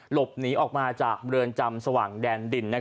หลบหนีออกมาจากเรือนจำสว่างแดนดิน